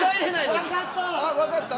分かった！